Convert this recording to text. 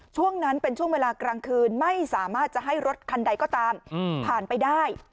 ช่วงนั้นเป็นช่วงเวลากลางคืนไม่สามารถจะให้รถคันใดก็ตามผ่านไปได้